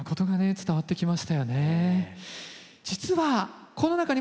伝わってきましたよね。